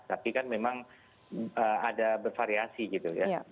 tapi kan memang ada bervariasi gitu ya